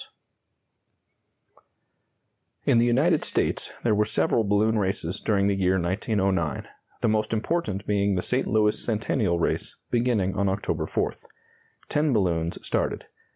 ] In the United States there were several balloon races during the year 1909, the most important being the St. Louis Centennial race, beginning on October 4th. Ten balloons started.